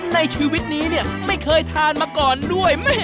ในชีวิตนี้เนี่ยไม่เคยทานมาก่อนด้วย